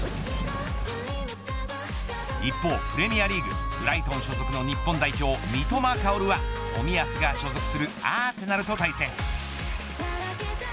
一方プレミアリーグブライトン所属の日本代表、三笘薫は冨安が所属するアーセナルと対戦。